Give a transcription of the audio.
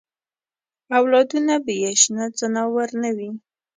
اولادونه به یې شنه ځناور نه وي.